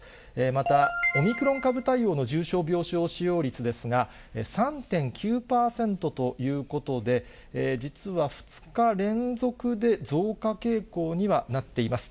また、オミクロン株対応の重症病床使用率ですが、３．９％ということで、実は、２日連続で増加傾向にはなっています。